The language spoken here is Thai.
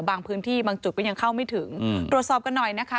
บางพื้นที่บางจุดก็ยังเข้าไม่ถึงตรวจสอบกันหน่อยนะคะ